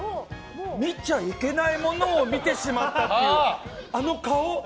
見ちゃいけないものを見てしまったっていうあの顔！